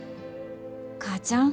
母ちゃん。